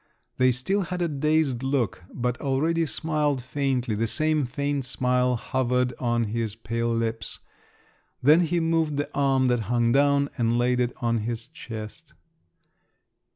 They still had a dazed look, but already smiled faintly; the same faint smile hovered on his pale lips. Then he moved the arm that hung down, and laid it on his chest.